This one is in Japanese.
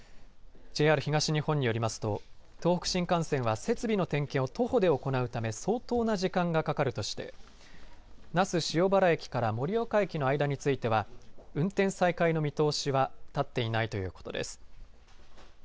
ＪＲ東日本によりますと東北新幹線は設備の点検を徒歩で行うため相当な時間がかかるとして那須塩原駅から盛岡駅の間については運転再開の見通しは立っていないということです。